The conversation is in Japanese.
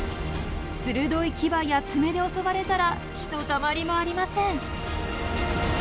鋭い牙や爪で襲われたらひとたまりもありません。